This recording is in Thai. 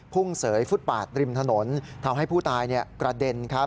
พุ่งเสยฟุตปาดริมถนนทำให้ผู้ตายกระเด็น